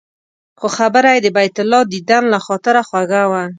خو خبره یې د بیت الله دیدن له خاطره خوږه وه.